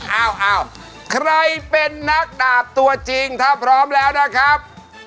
อ้าวใครเป็นนักดาบตัวจริงถ้าพร้อมแล้วนะครับ